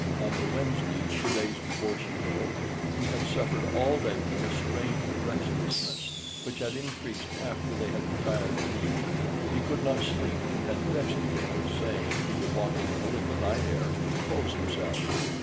On the Wednesday, two days before she wrote, he had suffered all day from a strange restlessness, which had increased after they had retired in the evening. He could not sleep and had dressed again, saying he would walk a little in the night air to compose himself.